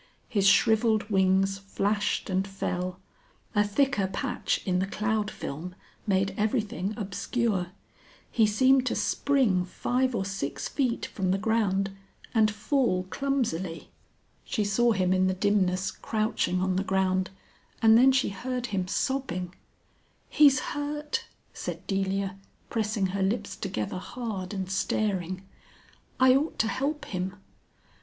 His shrivelled wings flashed and fell. A thicker patch in the cloud film made everything obscure. He seemed to spring five or six feet from the ground and fall clumsily. She saw him in the dimness crouching on the ground and then she heard him sobbing. "He's hurt!" said Delia, pressing her lips together hard and staring. "I ought to help him."